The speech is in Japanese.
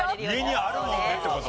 家にあるもんでって事？